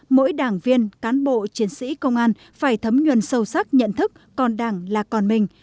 mỗi đảng viên cán bộ chiến sĩ công an phải thấm nhuận sâu sắc nhận thức con đảng là con mình